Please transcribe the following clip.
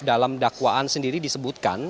dalam dakwaan sendiri disebutkan